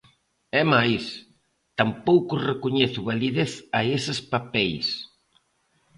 É máis, tampouco recoñezo validez a eses papeis.